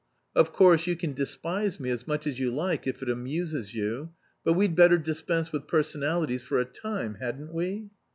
Of course, you can despise me as much as you like if it amuses you but we'd better dispense with personalities for a time, hadn't we?"